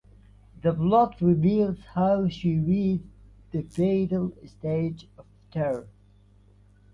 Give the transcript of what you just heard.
The plot reveals how she reached the fatal stage of terror.